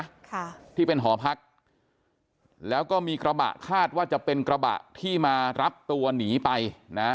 ค่ะที่เป็นหอพักแล้วก็มีกระบะคาดว่าจะเป็นกระบะที่มารับตัวหนีไปนะ